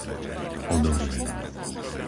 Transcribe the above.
Odorín